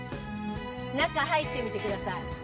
中入ってみてください。